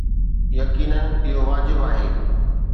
يقيناً اهو واجب آهي.